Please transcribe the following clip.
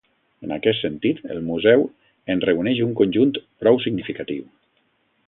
En aquest sentit el Museu en reuneix un conjunt prou significatiu.